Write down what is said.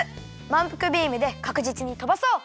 まんぷくビームでかくじつにとばそう。